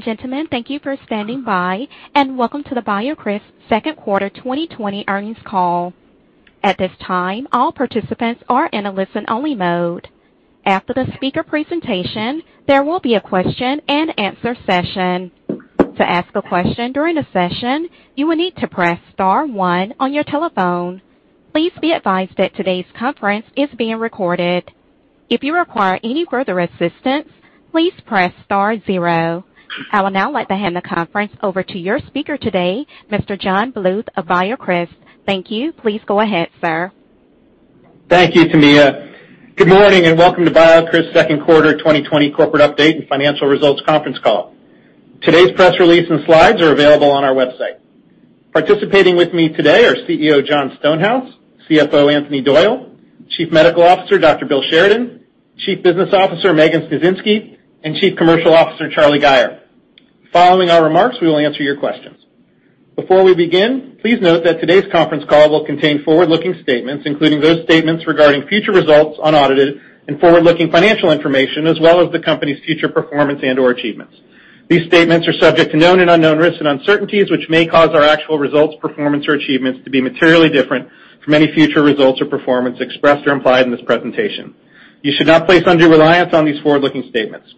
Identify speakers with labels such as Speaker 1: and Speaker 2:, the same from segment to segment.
Speaker 1: Gentlemen, thank you for standing by, and welcome to the BioCryst Q2 2020 earnings call. At this time, all participants are in a listen-only mode. After the speaker presentation, there will be a question and answer session. To ask a question during the session, you will need to press star one on your telephone. Please be advised that today's conference is being recorded. If you require any further assistance, please press star zero. I will now let hand the conference over to your speaker today, Mr. John Bluth of BioCryst. Thank you. Please go ahead, sir.
Speaker 2: Thank you, Tamia. Good morning, and welcome to BioCryst's Q2 2020 corporate update and financial results conference call. Today's press release and slides are available on our website. Participating with me today are CEO Jon Stonehouse, CFO Anthony Doyle, Chief Medical Officer Dr. Bill Sheridan, Chief Business Officer Megan Sniecinski, and Chief Commercial Officer Charlie Gayer. Following our remarks, we will answer your questions. Before we begin, please note that today's conference call will contain forward-looking statements, including those statements regarding future results, unaudited and forward-looking financial information, as well as the company's future performance and/or achievements. These statements are subject to known and unknown risks and uncertainties, which may cause our actual results, performance, or achievements to be materially different from any future results or performance expressed or implied in this presentation. You should not place undue reliance on these forward-looking statements.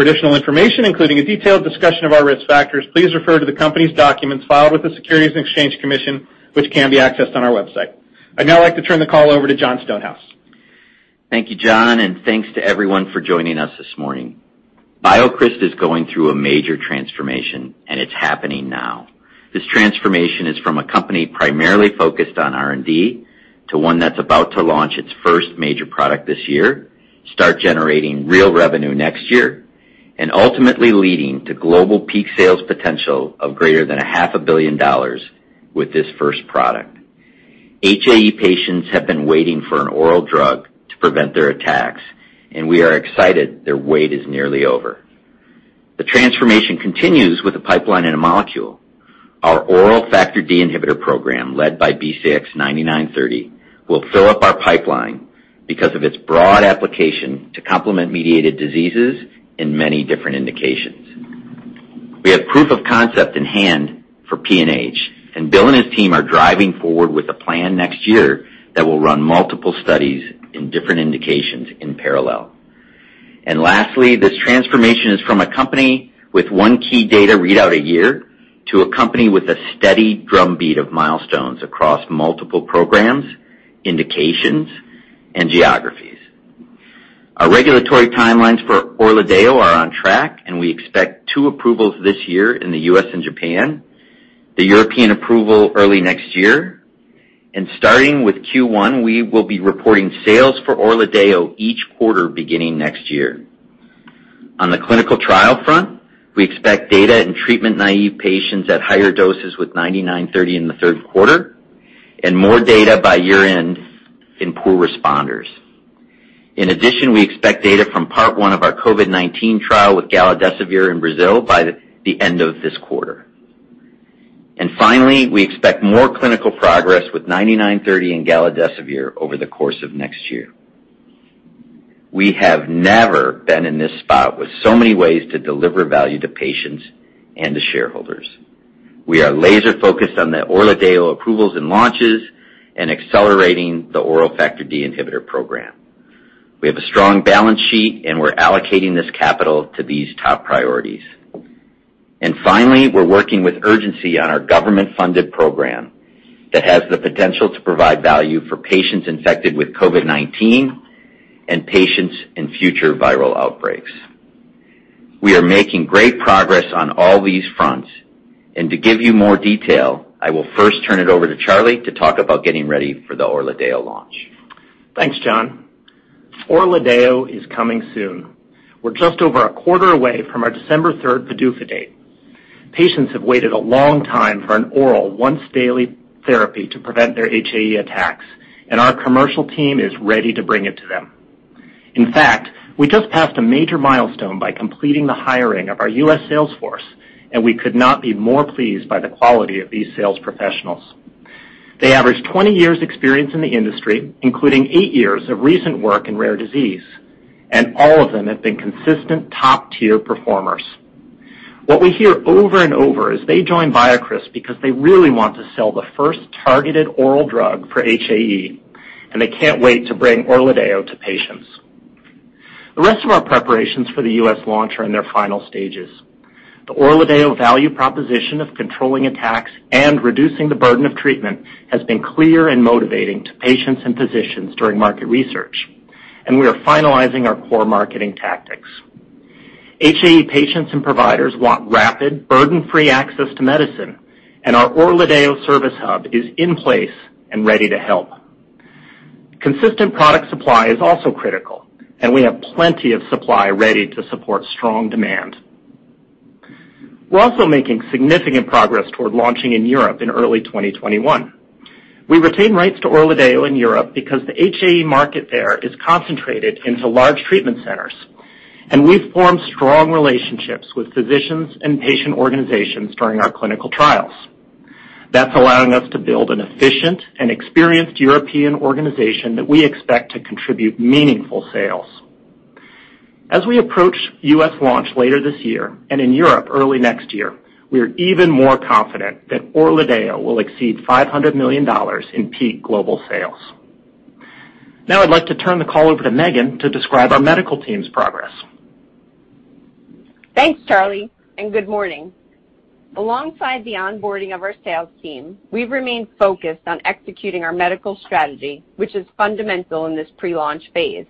Speaker 2: For additional information, including a detailed discussion of our risk factors, please refer to the company's documents filed with the Securities and Exchange Commission, which can be accessed on our website. I'd now like to turn the call over to Jon Stonehouse.
Speaker 3: Thank you, John, and thanks to everyone for joining us this morning. BioCryst is going through a major transformation, and it's happening now. This transformation is from a company primarily focused on R&D to one that's about to launch its first major product this year, start generating real revenue next year, and ultimately leading to global peak sales potential of greater than a half a billion dollars with this first product. HAE patients have been waiting for an oral drug to prevent their attacks, and we are excited their wait is nearly over. The transformation continues with a pipeline and a molecule. Our oral Factor D inhibitor program, led by BCX9930, will fill up our pipeline because of its broad application to complement-mediated diseases in many different indications. We have proof of concept in hand for PNH, and Bill and his team are driving forward with a plan next year that will run multiple studies in different indications in parallel. Lastly, this transformation is from a company with one key data readout a year to a company with a steady drumbeat of milestones across multiple programs, indications, and geographies. Our regulatory timelines for ORLADEYO are on track, and we expect two approvals this year in the U.S. and Japan, the European approval early next year. Starting with Q1, we will be reporting sales for ORLADEYO each quarter beginning next year. On the clinical trial front, we expect data in treatment-naive patients at higher doses with BCX9930 in the Q3 and more data by year-end in poor responders. We expect data from part one of our COVID-19 trial with galidesivir in Brazil by the end of this quarter. Finally, we expect more clinical progress with 9930 and galidesivir over the course of next year. We have never been in this spot with so many ways to deliver value to patients and to shareholders. We are laser-focused on the ORLADEYO approvals and launches and accelerating the oral Factor D inhibitor program. We have a strong balance sheet, and we're allocating this capital to these top priorities. Finally, we're working with urgency on our government-funded program that has the potential to provide value for patients infected with COVID-19 and patients in future viral outbreaks. We are making great progress on all these fronts, and to give you more detail, I will first turn it over to Charlie to talk about getting ready for the ORLADEYO launch.
Speaker 4: Thanks, John. ORLADEYO is coming soon. We're just over a quarter away from our December 3rd PDUFA date. Patients have waited a long time for an oral once-daily therapy to prevent their HAE attacks. Our commercial team is ready to bring it to them. In fact, we just passed a major milestone by completing the hiring of our U.S. sales force. We could not be more pleased by the quality of these sales professionals. They average 20 years experience in the industry, including eight years of recent work in rare disease. All of them have been consistent top-tier performers. What we hear over and over is they join BioCryst because they really want to sell the first targeted oral drug for HAE. They can't wait to bring ORLADEYO to patients. The rest of our preparations for the U.S. launch are in their final stages. The ORLADEYO value proposition of controlling attacks and reducing the burden of treatment has been clear and motivating to patients and physicians during market research. We are finalizing our core marketing tactics. HAE patients and providers want rapid, burden-free access to medicine. Our EMPOWER Patient Services is in place and ready to help. Consistent product supply is also critical. We have plenty of supply ready to support strong demand. We're also making significant progress toward launching in Europe in early 2021. We retain rights to ORLADEYO in Europe because the HAE market there is concentrated into large treatment centers. We've formed strong relationships with physicians and patient organizations during our clinical trials. That's allowing us to build an efficient and experienced European organization that we expect to contribute meaningful sales. As we approach U.S. launch later this year, and in Europe early next year, we are even more confident that ORLADEYO will exceed $500 million in peak global sales. Now I'd like to turn the call over to Megan to describe our medical team's progress.
Speaker 5: Thanks, Charlie, good morning. Alongside the onboarding of our sales team, we've remained focused on executing our medical strategy, which is fundamental in this pre-launch phase.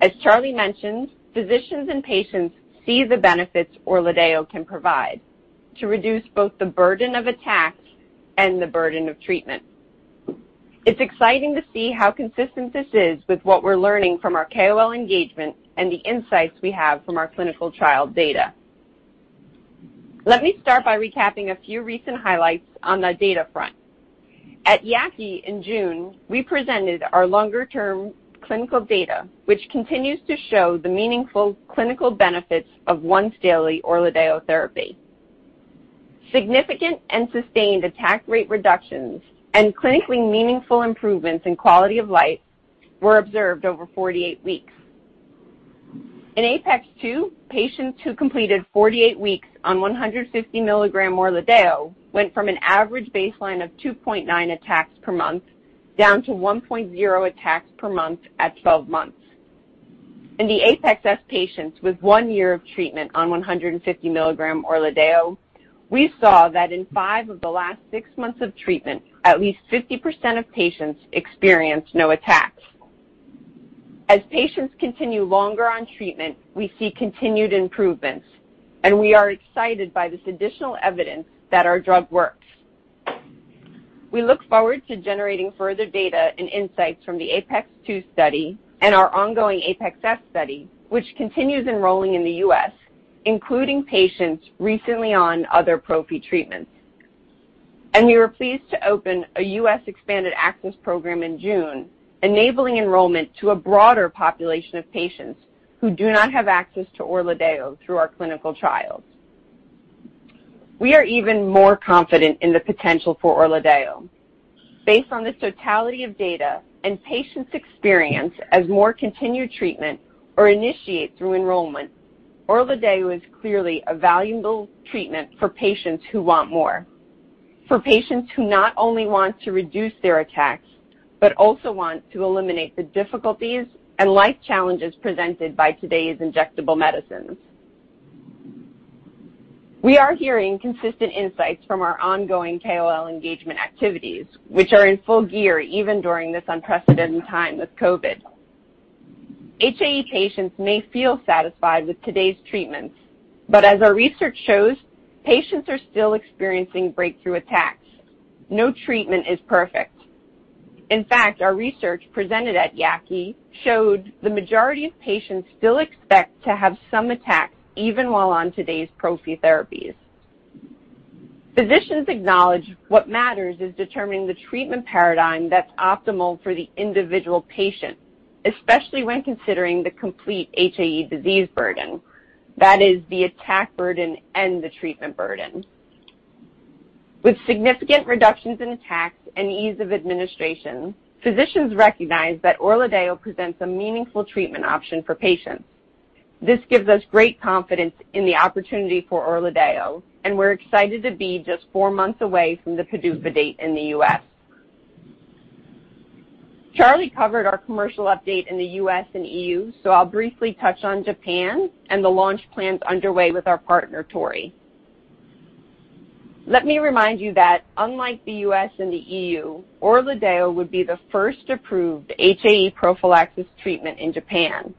Speaker 5: As Charlie mentioned, physicians and patients see the benefits ORLADEYO can provide to reduce both the burden of attacks and the burden of treatment. It's exciting to see how consistent this is with what we're learning from our KOL engagement and the insights we have from our clinical trial data. Let me start by recapping a few recent highlights on the data front. At YAKI in June, we presented our longer-term clinical data, which continues to show the meaningful clinical benefits of once-daily ORLADEYO therapy. Significant and sustained attack rate reductions and clinically meaningful improvements in quality of life were observed over 48 weeks. In APEX-2, patients who completed 48 weeks on 150 milligram ORLADEYO went from an average baseline of 2.9 attacks per month down to 1.0 attacks per month at 12 months. In the APEX-S patients with one year of treatment on 150 milligram ORLADEYO, we saw that in five of the last six months of treatment, at least 50% of patients experienced no attacks. As patients continue longer on treatment, we see continued improvements, and we are excited by this additional evidence that our drug works. We look forward to generating further data and insights from the APEX-2 study and our ongoing APEX-S study, which continues enrolling in the U.S., including patients recently on other prophy treatments. We were pleased to open a U.S. expanded access program in June, enabling enrollment to a broader population of patients who do not have access to ORLADEYO through our clinical trials. We are even more confident in the potential for ORLADEYO. Based on this totality of data and patients' experience as more continue treatment or initiate through enrollment, ORLADEYO is clearly a valuable treatment for patients who want more, for patients who not only want to reduce their attacks, but also want to eliminate the difficulties and life challenges presented by today's injectable medicines. We are hearing consistent insights from our ongoing KOL engagement activities, which are in full gear even during this unprecedented time with COVID. HAE patients may feel satisfied with today's treatments, but as our research shows, patients are still experiencing breakthrough attacks. No treatment is perfect. In fact, our research presented at YAKI showed the majority of patients still expect to have some attacks even while on today's prophy therapies. Physicians acknowledge what matters is determining the treatment paradigm that's optimal for the individual patient, especially when considering the complete HAE disease burden. That is the attack burden and the treatment burden. With significant reductions in attacks and ease of administration, physicians recognize that ORLADEYO presents a meaningful treatment option for patients. This gives us great confidence in the opportunity for ORLADEYO. We're excited to be just four months away from the PDUFA date in the U.S. Charlie covered our commercial update in the U.S. and EU. I'll briefly touch on Japan and the launch plans underway with our partner, Torii. Let me remind you that unlike the U.S. and the EU, ORLADEYO would be the first approved HAE prophylaxis treatment in Japan.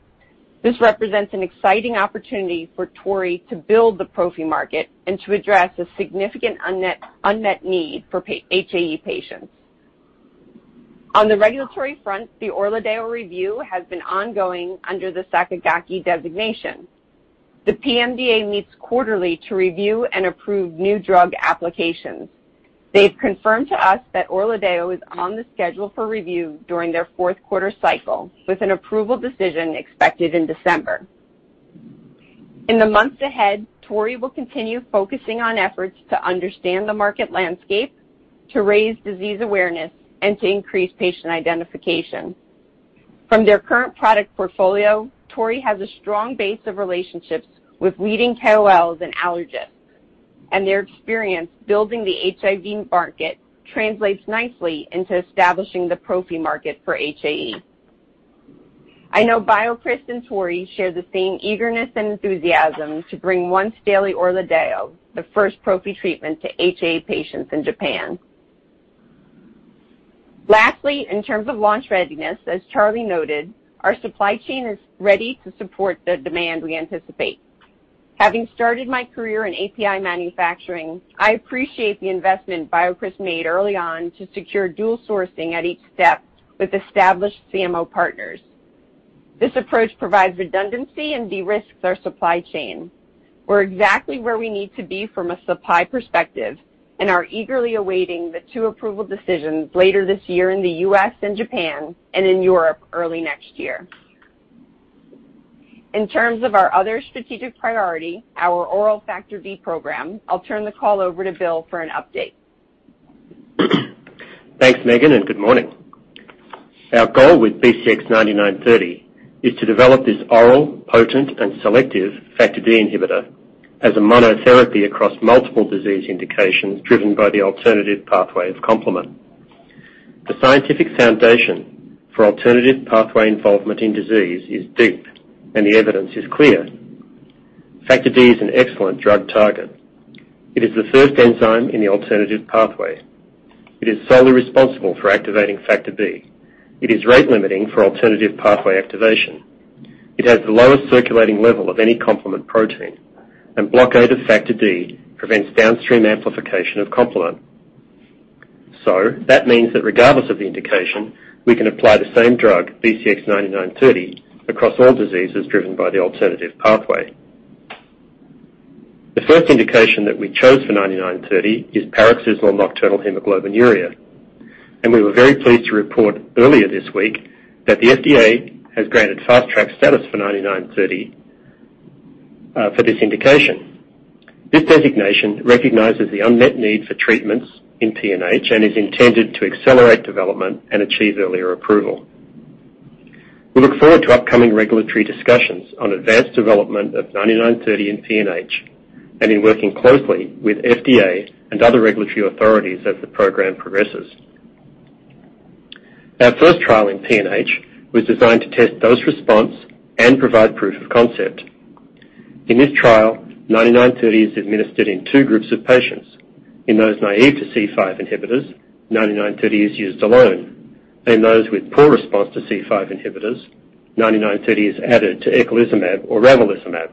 Speaker 5: This represents an exciting opportunity for Torii to build the prophy market and to address a significant unmet need for HAE patients. On the regulatory front, the ORLADEYO review has been ongoing under the Sakigake designation. The PMDA meets quarterly to review and approve new drug applications. They've confirmed to us that ORLADEYO is on the schedule for review during their Q4 cycle, with an approval decision expected in December. In the months ahead, Torii will continue focusing on efforts to understand the market landscape, to raise disease awareness, and to increase patient identification. From their current product portfolio, Torii has a strong base of relationships with leading KOLs and allergists, and their experience building the HIV market translates nicely into establishing the prophy market for HAE. I know BioCryst and Torii share the same eagerness and enthusiasm to bring once-daily ORLADEYO, the first prophy treatment to HAE patients in Japan. Lastly, in terms of launch readiness, as Charlie noted, our supply chain is ready to support the demand we anticipate. Having started my career in API manufacturing, I appreciate the investment BioCryst made early on to secure dual sourcing at each step with established CMO partners. This approach provides redundancy and de-risks our supply chain. We're exactly where we need to be from a supply perspective and are eagerly awaiting the two approval decisions later this year in the U.S. and Japan, and in Europe early next year. In terms of our other strategic priority, our oral factor D program, I'll turn the call over to Bill for an update.
Speaker 6: Thanks, Megan, and good morning. Our goal with BCX9930 is to develop this oral, potent, and selective factor D inhibitor as a monotherapy across multiple disease indications driven by the alternative pathway of complement. The scientific foundation for alternative pathway involvement in disease is deep, and the evidence is clear. Factor D is an excellent drug target. It is the first enzyme in the alternative pathway. It is solely responsible for activating factor B. It is rate-limiting for alternative pathway activation. It has the lowest circulating level of any complement protein, and blockade of factor D prevents downstream amplification of complement. That means that regardless of the indication, we can apply the same drug, BCX9930, across all diseases driven by the alternative pathway. The first indication that we chose for BCX9930 is paroxysmal nocturnal hemoglobinuria. We were very pleased to report earlier this week that the FDA has granted Fast Track status for BCX9930 for this indication. This designation recognizes the unmet need for treatments in PNH and is intended to accelerate development and achieve earlier approval. We look forward to upcoming regulatory discussions on advanced development of BCX9930 in PNH and in working closely with FDA and other regulatory authorities as the program progresses. Our first trial in PNH was designed to test dose response and provide proof of concept. In this trial, BCX9930 is administered in two groups of patients. In those naive to C5 inhibitors, BCX9930 is used alone. In those with poor response to C5 inhibitors, BCX9930 is added to eculizumab or ravulizumab.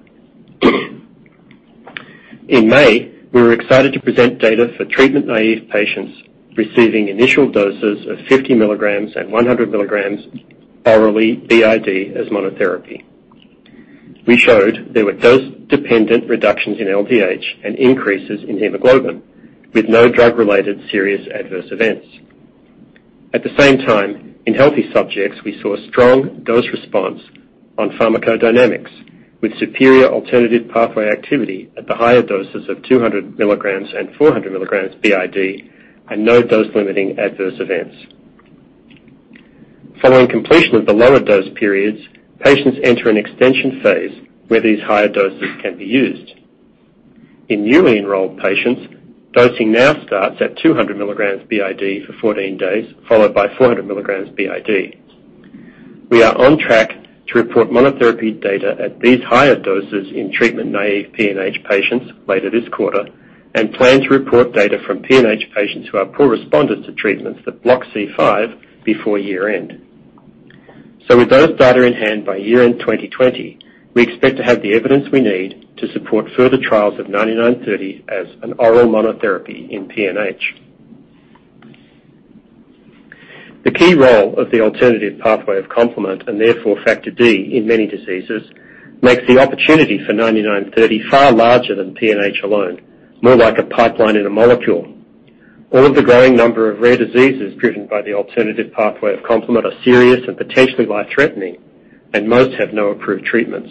Speaker 6: In May, we were excited to present data for treatment-naive patients receiving initial doses of 50 milligrams and 100 milligrams orally BID as monotherapy. We showed there were dose-dependent reductions in LDH and increases in hemoglobin, with no drug-related serious adverse events. At the same time, in healthy subjects, we saw strong dose response on pharmacodynamics with superior alternative pathway activity at the higher doses of 200 milligrams and 400 milligrams BID and no dose-limiting adverse events. Following completion of the lower dose periods, patients enter an extension phase where these higher doses can be used. In newly enrolled patients, dosing now starts at 200 milligrams BID for 14 days, followed by 400 milligrams BID. We are on track to report monotherapy data at these higher doses in treatment-naive PNH patients later this quarter and plan to report data from PNH patients who are poor responders to treatments that block C5 before year-end. With those data in hand by year-end 2020, we expect to have the evidence we need to support further trials of 9930 as an oral monotherapy in PNH. The key role of the alternative pathway of complement, and therefore factor D in many diseases, makes the opportunity for 9930 far larger than PNH alone, more like a pipeline in a molecule. All of the growing number of rare diseases driven by the alternative pathway of complement are serious and potentially life-threatening, and most have no approved treatments.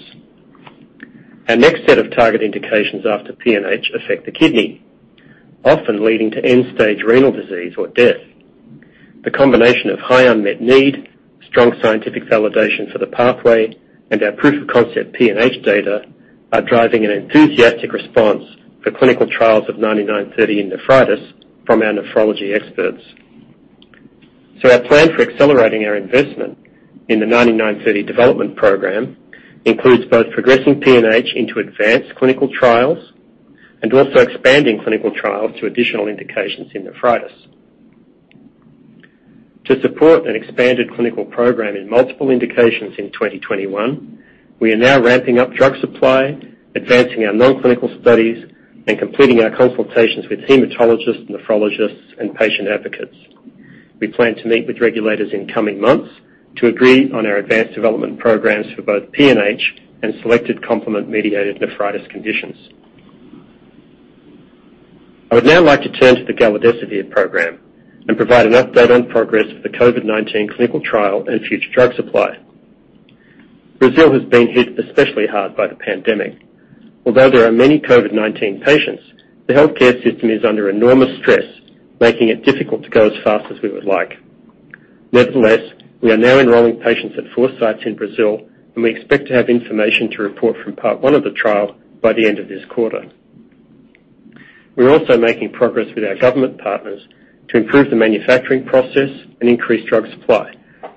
Speaker 6: Our next set of target indications after PNH affect the kidney, often leading to end-stage renal disease or death. The combination of high unmet need, strong scientific validation for the pathway, and our proof of concept PNH data are driving an enthusiastic response for clinical trials of 9930 in nephritis from our nephrology experts. Our plan for accelerating our investment in the 9930 development program includes both progressing PNH into advanced clinical trials and also expanding clinical trials to additional indications in nephritis. To support an expanded clinical program in multiple indications in 2021, we are now ramping up drug supply, advancing our non-clinical studies, and completing our consultations with hematologists, nephrologists, and patient advocates. We plan to meet with regulators in coming months to agree on our advanced development programs for both PNH and selected complement mediated nephritis conditions. I would now like to turn to the galidesivir program and provide an update on progress for the COVID-19 clinical trial and future drug supply. Brazil has been hit especially hard by the pandemic. Although there are many COVID-19 patients, the healthcare system is under enormous stress, making it difficult to go as fast as we would like. Nevertheless, we are now enrolling patients at four sites in Brazil, and we expect to have information to report from part one of the trial by the end of this quarter. We're also making progress with our government partners to improve the manufacturing process and increase drug supply,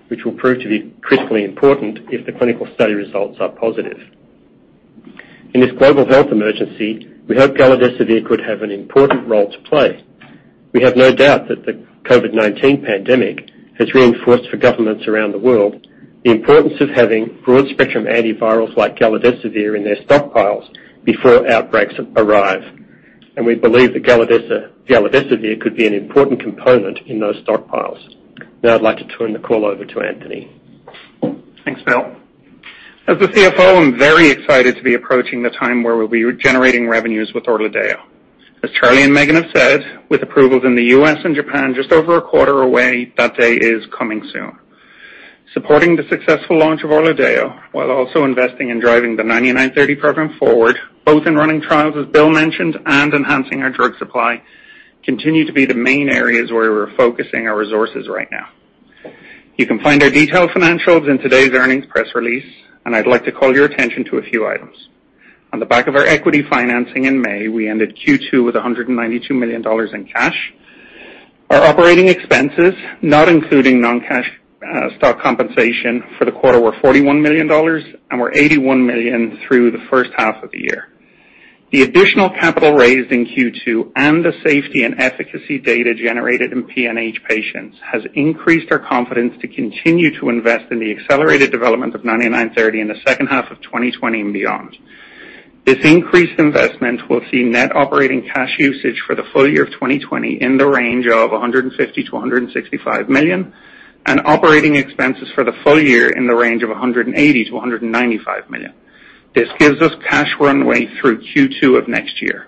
Speaker 6: which will prove to be critically important if the clinical study results are positive. In this global health emergency, we hope galidesivir could have an important role to play. We have no doubt that the COVID-19 pandemic has reinforced for governments around the world the importance of having broad-spectrum antivirals like galidesivir in their stockpiles before outbreaks arrive. We believe that galidesivir could be an important component in those stockpiles. Now I'd like to turn the call over to Anthony.
Speaker 3: Thanks, Bill. As the CFO, I'm very excited to be approaching the time where we'll be generating revenues with ORLADEYO.
Speaker 7: As Charlie and Megan have said, with approvals in the U.S. and Japan just over a quarter away, that day is coming soon. Supporting the successful launch of ORLADEYO while also investing in driving the 9930 program forward, both in running trials, as Bill mentioned, and enhancing our drug supply, continue to be the main areas where we're focusing our resources right now. You can find our detailed financials in today's earnings press release, and I'd like to call your attention to a few items. On the back of our equity financing in May, we ended Q2 with $192 million in cash. Our operating expenses, not including non-cash stock compensation for the quarter, were $41 million and were $81 million through the first half of the year. The additional capital raised in Q2 and the safety and efficacy data generated in PNH patients has increased our confidence to continue to invest in the accelerated development of BCX9930 in the second half of 2020 and beyond. This increased investment will see net operating cash usage for the full year of 2020 in the range of $150 million-$165 million, and operating expenses for the full year in the range of $180 million-$195 million. This gives us cash runway through Q2 of next year.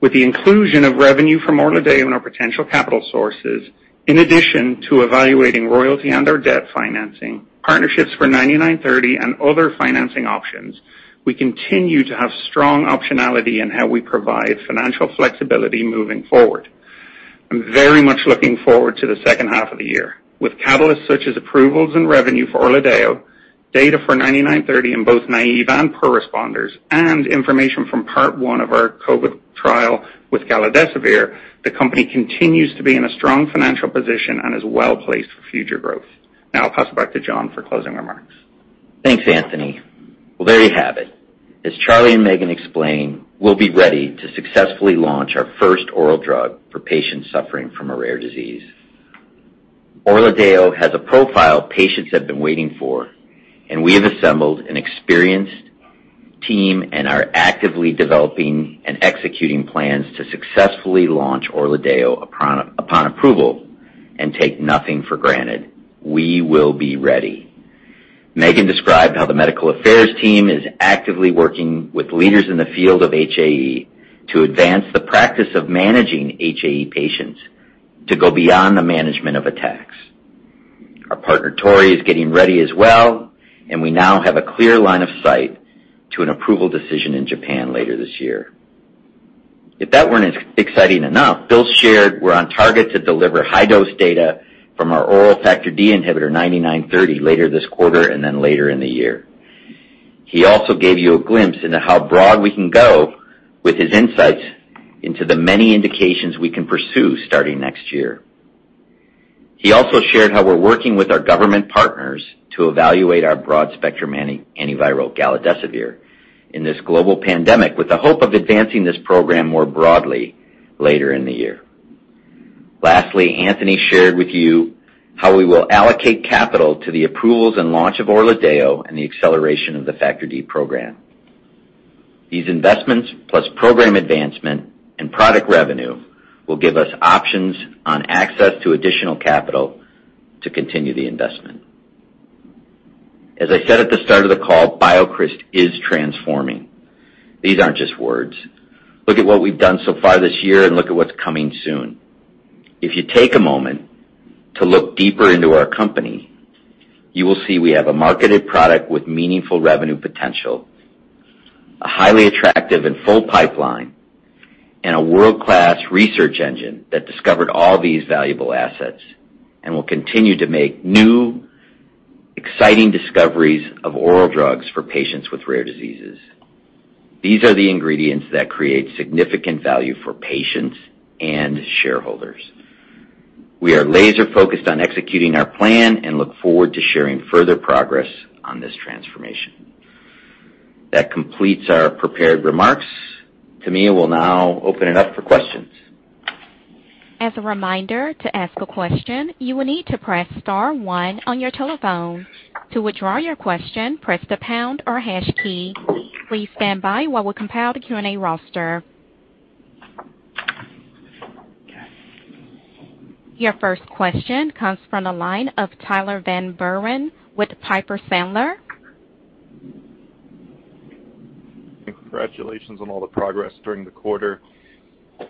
Speaker 7: With the inclusion of revenue from ORLADEYO and our potential capital sources, in addition to evaluating royalty and our debt financing, partnerships for BCX9930 and other financing options, we continue to have strong optionality in how we provide financial flexibility moving forward. I'm very much looking forward to the second half of the year. With catalysts such as approvals and revenue for ORLADEYO, data for 9930 in both naive and per responders, and information from part one of our COVID trial with galidesivir, the company continues to be in a strong financial position and is well-placed for future growth. I'll pass it back to John for closing remarks.
Speaker 3: Thanks, Anthony. Well, there you have it. As Charlie and Megan explained, we'll be ready to successfully launch our first oral drug for patients suffering from a rare disease. ORLADEYO has a profile patients have been waiting for, and we have assembled an experienced team and are actively developing and executing plans to successfully launch ORLADEYO upon approval and take nothing for granted. We will be ready. Megan described how the medical affairs team is actively working with leaders in the field of HAE to advance the practice of managing HAE patients to go beyond the management of attacks. Our partner, Torii, is getting ready as well, and we now have a clear line of sight to an approval decision in Japan later this year. If that weren't exciting enough, Bill shared we're on target to deliver high-dose data from our oral Factor D inhibitor BCX9930 later this quarter and then later in the year. He also gave you a glimpse into how broad we can go with his insights into the many indications we can pursue starting next year. He also shared how we're working with our government partners to evaluate our broad-spectrum antiviral galidesivir in this global pandemic with the hope of advancing this program more broadly later in the year. Lastly, Anthony shared with you how we will allocate capital to the approvals and launch of ORLADEYO and the acceleration of the Factor D program. These investments plus program advancement and product revenue will give us options on access to additional capital to continue the investment. As I said at the start of the call, BioCryst is transforming. These aren't just words. Look at what we've done so far this year and look at what's coming soon. If you take a moment to look deeper into our company, you will see we have a marketed product with meaningful revenue potential, a highly attractive and full pipeline, and a world-class research engine that discovered all these valuable assets and will continue to make new, exciting discoveries of oral drugs for patients with rare diseases. These are the ingredients that create significant value for patients and shareholders. We are laser-focused on executing our plan and look forward to sharing further progress on this transformation. That completes our prepared remarks. Tamia will now open it up for questions.
Speaker 1: As a reminder, to ask a question, you will need to press star one on your telephone. To withdraw your question, press the pound or hash key. Please stand by while we compile the Q&A roster. Your first question comes from the line of Tyler Van Buren with Piper Sandler.
Speaker 8: Congratulations on all the progress during the quarter.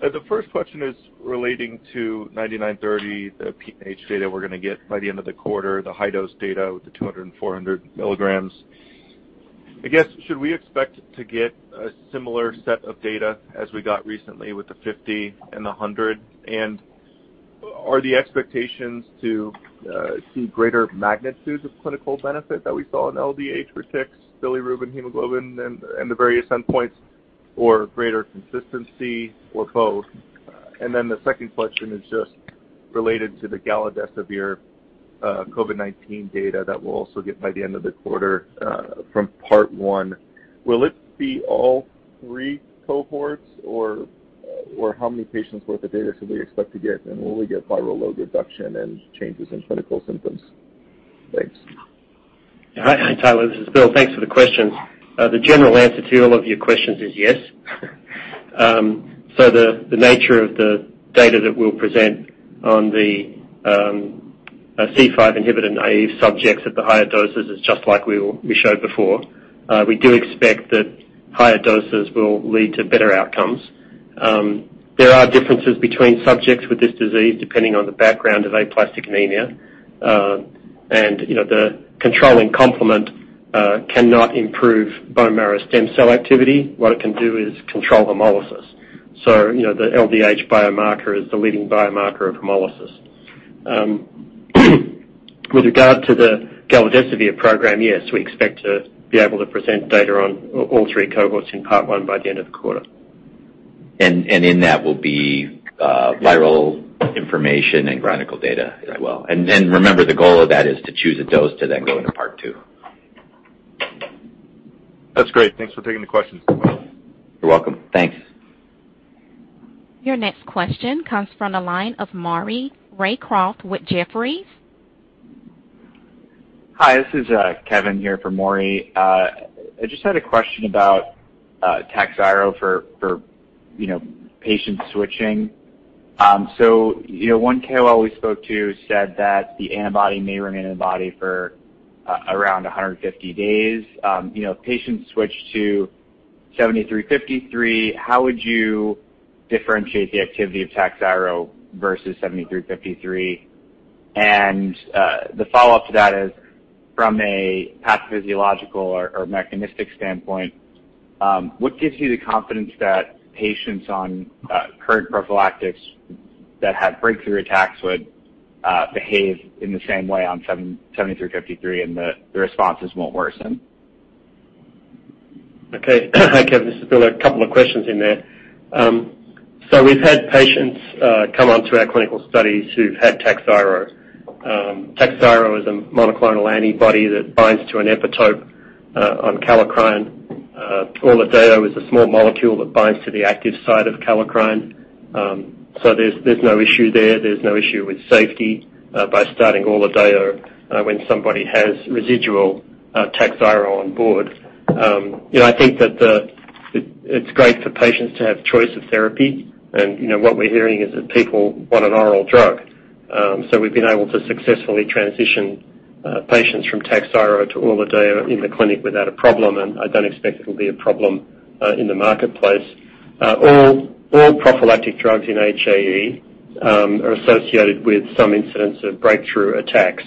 Speaker 8: The first question is relating to BCX9930, the PNH data we're going to get by the end of the quarter, the high-dose data with the 200 and 400 milligrams. I guess, should we expect to get a similar set of data as we got recently with the 50 and 100? Are the expectations to see greater magnitudes of clinical benefit that we saw in LDH, reticulocytes, bilirubin, hemoglobin, and the various endpoints, or greater consistency, or both? The second question is just related to the galidesivir COVID-19 data that we'll also get by the end of the quarter from part one. Will it be all three cohorts or how many patients worth of data should we expect to get? Will we get viral load reduction and changes in clinical symptoms? Thanks.
Speaker 6: Hi, Tyler. This is Bill. Thanks for the questions. The general answer to all of your questions is yes. The nature of the data that we'll present. A C5 inhibitor-naive subjects at the higher doses is just like we showed before. We do expect that higher doses will lead to better outcomes. There are differences between subjects with this disease depending on the background of aplastic anemia. The controlling complement cannot improve bone marrow stem cell activity. What it can do is control hemolysis. The LDH biomarker is the leading biomarker of hemolysis. With regard to the galidesivir program, yes, we expect to be able to present data on all three cohorts in Part one by the end of the quarter. In that will be viral information and chronicle data as well. Remember, the goal of that is to choose a dose to then go into Part two.
Speaker 8: That's great. Thanks for taking the questions.
Speaker 3: You're welcome. Thanks.
Speaker 1: Your next question comes from the line of Maury Raycroft with Jefferies.
Speaker 9: Hi, this is Kevin here for Maury. I just had a question about Takhzyro for patient switching. One KOL we spoke to said that the antibody may remain in the body for around 150 days. If patients switch to BCX7353, how would you differentiate the activity of Takhzyro versus BCX7353? The follow-up to that is from a pathophysiological or mechanistic standpoint, what gives you the confidence that patients on current prophylactics that have breakthrough attacks would behave in the same way on BCX7353 and the responses won't worsen?
Speaker 6: Okay. Hi, Kevin. This is Bill. A couple of questions in there. We've had patients come onto our clinical studies who've had Takhzyro. Takhzyro is a monoclonal antibody that binds to an epitope on kallikrein. ORLADEYO is a small molecule that binds to the active site of kallikrein. There's no issue there. There's no issue with safety by starting ORLADEYO when somebody has residual Takhzyro on board. I think that it's great for patients to have choice of therapy, and what we're hearing is that people want an oral drug. We've been able to successfully transition patients from Takhzyro to ORLADEYO in the clinic without a problem, and I don't expect it'll be a problem in the marketplace. All prophylactic drugs in HAE are associated with some incidents of breakthrough attacks,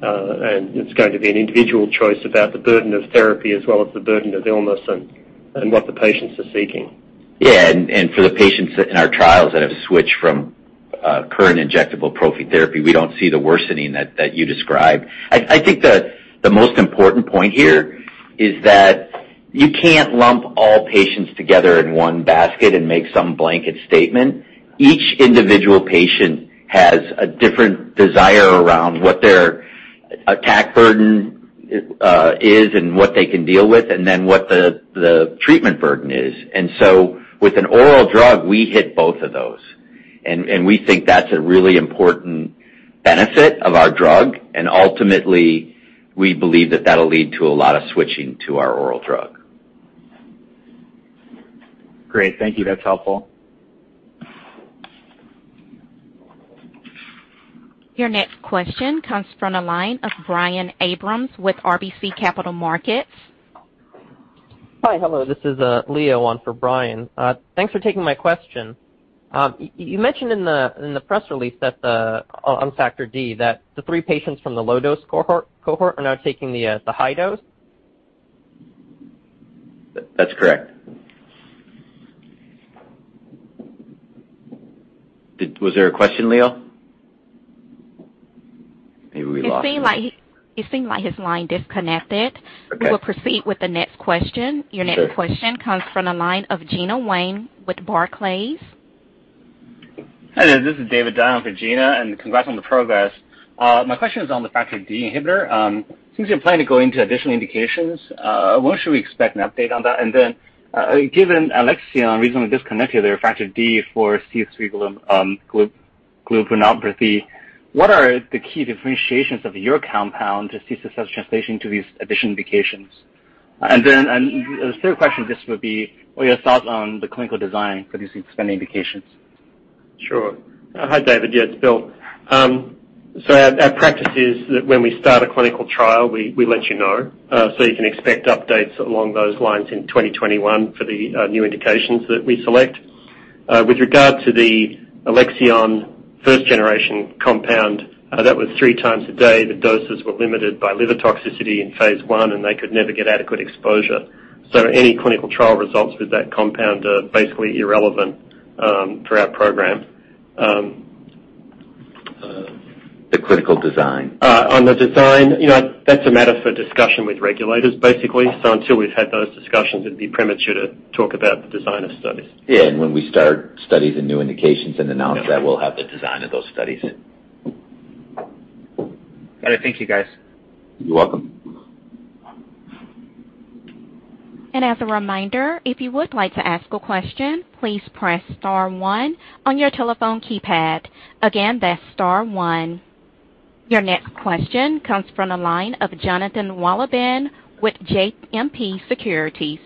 Speaker 6: and it's going to be an individual choice about the burden of therapy as well as the burden of illness and what the patients are seeking.
Speaker 3: Yeah. For the patients in our trials that have switched from current injectable prophy therapy, we don't see the worsening that you described. I think the most important point here is that you can't lump all patients together in one basket and make some blanket statement. Each individual patient has a different desire around what their attack burden is and what they can deal with, and then what the treatment burden is. With an oral drug, we hit both of those, and we think that's a really important benefit of our drug, and ultimately, we believe that that'll lead to a lot of switching to our oral drug.
Speaker 9: Great. Thank you. That's helpful.
Speaker 1: Your next question comes from the line of Brian Abrahams with RBC Capital Markets.
Speaker 10: Hi. Hello. This is Leo on for Brian. Thanks for taking my question. You mentioned in the press release on factor D that the three patients from the low-dose cohort are now taking the high dose?
Speaker 3: That's correct. Was there a question, Leo? Maybe we lost him.
Speaker 1: It seem like his line disconnected.
Speaker 10: Okay.
Speaker 1: We will proceed with the next question.
Speaker 10: Sure.
Speaker 1: Your next question comes from the line of Gena Wang with Barclays.
Speaker 11: Hi there. This is David Dai for Gena, and congrats on the progress. My question is on the Factor D inhibitor. Since you're planning to go into additional indications, when should we expect an update on that? Given Alexion recently disconnected their Factor D for paroxysmal nocturnal hemoglobinuria, what are the key differentiations of your compound to see success translation to these additional indications? The third question just would be what are your thoughts on the clinical design for these expanding indications?
Speaker 6: Sure. Hi, David. Yeah, it's Bill. Our practice is that when we start a clinical trial, we let you know, so you can expect updates along those lines in 2021 for the new indications that we select. With regard to the Alexion first-generation compound, that was three times a day. The doses were limited by liver toxicity in phase I, and they could never get adequate exposure. Any clinical trial results with that compound are basically irrelevant for our program.
Speaker 3: The clinical design.
Speaker 6: On the design, that's a matter for discussion with regulators, basically. Until we've had those discussions, it'd be premature to talk about the design of studies.
Speaker 3: Yeah. When we start studies and new indications and announce that, we'll have the design of those studies.
Speaker 11: All right. Thank you, guys.
Speaker 3: You're welcome.
Speaker 1: As a reminder, if you would like to ask a question, please press star one on your telephone keypad. Again, that's star one. Your next question comes from the line of Jonathan Wolleben with JMP Securities.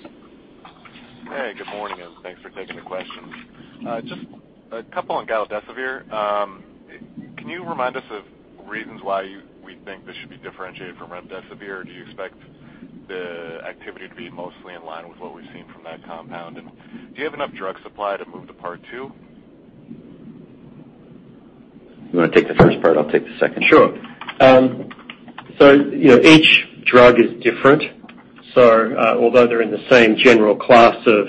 Speaker 12: Thanks for taking the questions. Just a couple on galidesivir. Can you remind us of reasons why we think this should be differentiated from remdesivir? Do you expect the activity to be mostly in line with what we've seen from that compound? Do you have enough drug supply to move to part two?
Speaker 3: You want to take the first part? I'll take the second.
Speaker 6: Sure. Each drug is different. Although they're in the same general class of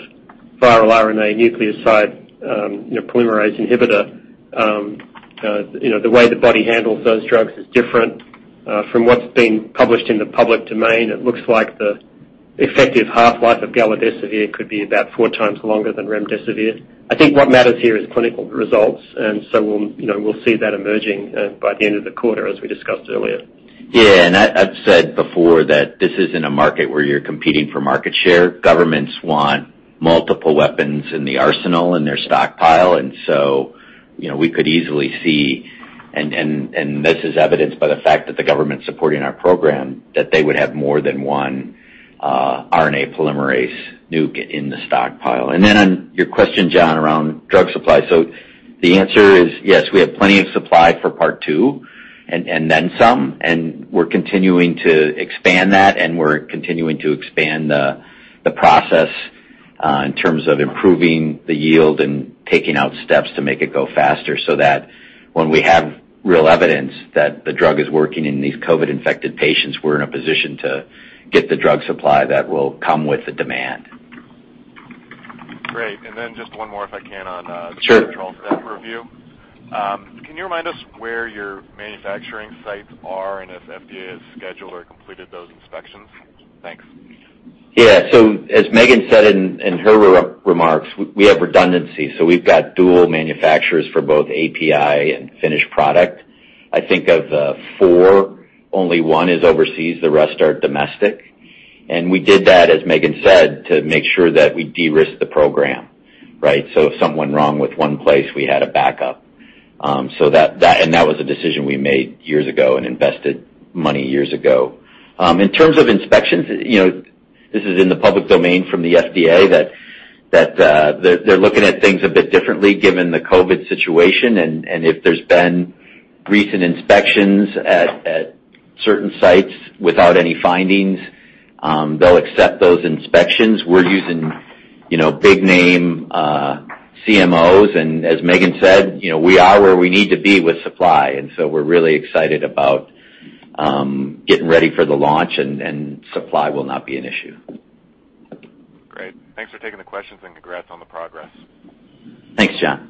Speaker 6: viral RNA nucleoside polymerase inhibitor, the way the body handles those drugs is different. From what's been published in the public domain, it looks like the effective half-life of galidesivir could be about four times longer than remdesivir. I think what matters here is clinical results, we'll see that emerging by the end of the quarter, as we discussed earlier.
Speaker 3: Yeah. I've said before that this isn't a market where you're competing for market share. Governments want multiple weapons in the arsenal, in their stockpile, we could easily see, and this is evidenced by the fact that the government's supporting our program, that they would have more than one RNA polymerase nuke in the stockpile. On your question, Jon, around drug supply, the answer is, yes, we have plenty of supply for part two and then some, and we're continuing to expand that, and we're continuing to expand the process in terms of improving the yield and taking out steps to make it go faster, so that when we have real evidence that the drug is working in these COVID-19-infected patients, we're in a position to get the drug supply that will come with the demand.
Speaker 12: Great. Then just one more, if I can, on-
Speaker 3: Sure
Speaker 12: the control set review. Can you remind us where your manufacturing sites are and if FDA has scheduled or completed those inspections? Thanks.
Speaker 3: As Megan said in her remarks, we have redundancy, we've got dual manufacturers for both API and finished product. I think of four, only one is overseas, the rest are domestic. We did that, as Megan said, to make sure that we de-risk the program. Right? If something went wrong with one place, we had a backup. That was a decision we made years ago and invested money years ago. In terms of inspections, this is in the public domain from the FDA, that they're looking at things a bit differently given the COVID-19 situation. If there's been recent inspections at certain sites without any findings, they'll accept those inspections. We're using big-name CMOs, and as Megan said, we are where we need to be with supply. We're really excited about getting ready for the launch, and supply will not be an issue.
Speaker 12: Great. Thanks for taking the questions, congrats on the progress.
Speaker 3: Thanks, John.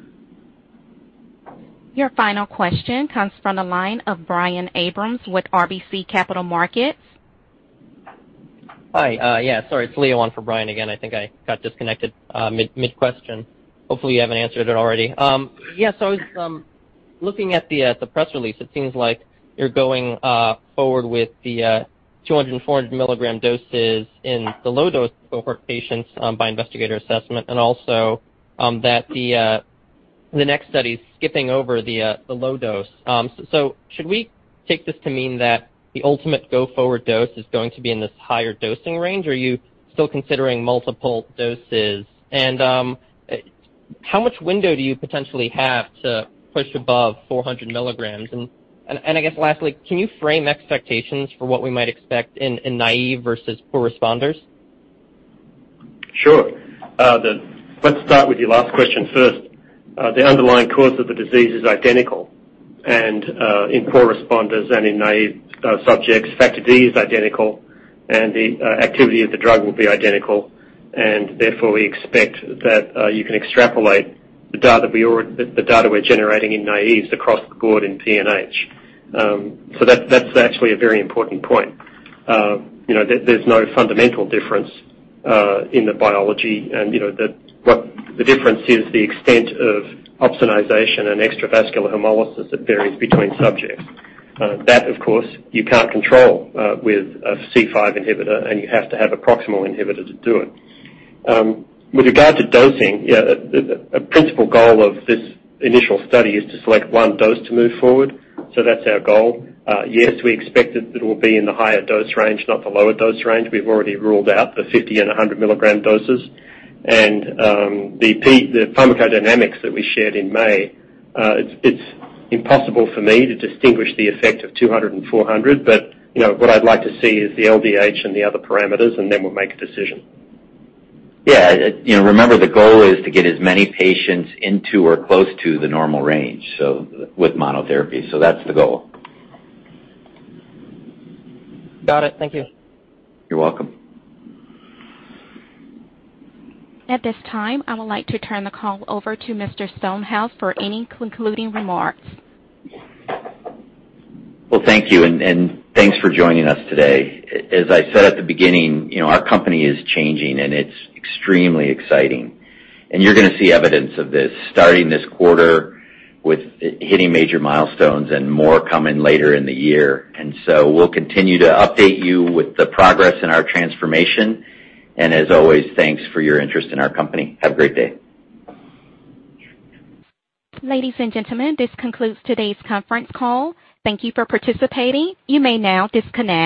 Speaker 1: Your final question comes from the line of Brian Abrahams with RBC Capital Markets.
Speaker 10: Hi. Yeah, sorry, it's Leo on for Brian again. I think I got disconnected mid-question. Hopefully, you haven't answered it already. I was looking at the press release. It seems like you're going forward with the 200 and 400 milligram doses in the low dose cohort patients by investigator assessment, and also that the next study's skipping over the low dose. Should we take this to mean that the ultimate go-forward dose is going to be in this higher dosing range? Are you still considering multiple doses? How much window do you potentially have to push above 400 milligrams? I guess lastly, can you frame expectations for what we might expect in naive versus poor responders?
Speaker 6: Sure. Let's start with your last question first. The underlying cause of the disease is identical, and in poor responders and in naive subjects, Factor D is identical, and the activity of the drug will be identical. Therefore, we expect that you can extrapolate the data we're generating in naive across the board in PNH. That's actually a very important point. There's no fundamental difference in the biology, and the difference is the extent of opsonization and extravascular hemolysis that varies between subjects. That, of course, you can't control with a C5 inhibitor, and you have to have a proximal inhibitor to do it. With regard to dosing, a principal goal of this initial study is to select one dose to move forward. That's our goal. Yes, we expect it will be in the higher dose range, not the lower dose range. We've already ruled out the 50 and 100 milligram doses. The pharmacodynamics that we shared in May, it's impossible for me to distinguish the effect of 200 and 400. What I'd like to see is the LDH and the other parameters, and then we'll make a decision.
Speaker 3: Yeah. Remember the goal is to get as many patients into or close to the normal range with monotherapy. That's the goal.
Speaker 10: Got it. Thank you.
Speaker 3: You're welcome.
Speaker 1: At this time, I would like to turn the call over to Mr. Stonehouse for any concluding remarks.
Speaker 3: Well, thank you, and thanks for joining us today. As I said at the beginning, our company is changing, and it's extremely exciting. You're going to see evidence of this starting this quarter with hitting major milestones and more coming later in the year. We'll continue to update you with the progress in our transformation. As always, thanks for your interest in our company. Have a great day.
Speaker 1: Ladies and gentlemen, this concludes today's conference call. Thank you for participating. You may now disconnect.